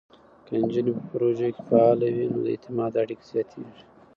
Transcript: که نجونې په پروژو کې فعاله وي، نو د اعتماد اړیکې زیاتېږي.